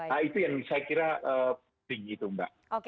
nah itu yang saya kira tinggi itu mbak